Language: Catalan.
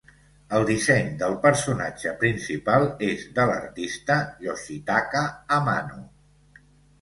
El disseny del personatge principal és de l'artista Yoshitaka Amano.